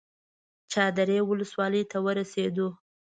چادرې ولسوالۍ ته ورسېدو.